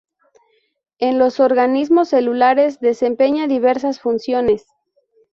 En los organismos celulares desempeña diversas funciones.